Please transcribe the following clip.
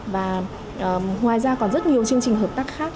và ngoài ra còn rất nhiều chương trình hợp tác khác